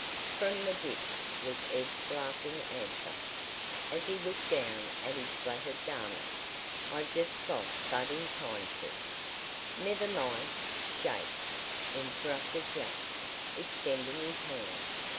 "From the ditch," was Ed's laughing answer, as he looked down at his splattered garments. "I just got but in time to " "Never mind shake!" interrupted Jack, extending his hand.